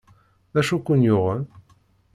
D acu ay ken-yuɣen?